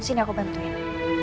sini aku bantuin